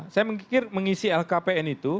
saya mengikir mengisi lhkpn itu